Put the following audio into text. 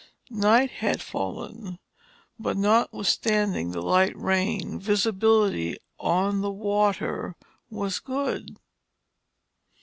Night had fallen, but notwithstanding the light rain, visibility on the water was good.